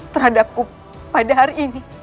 terhadapku pada hari ini